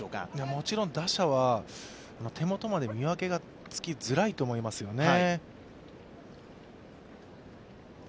もちろん打者は、手元まで見分けがつきづらいと思いますよね。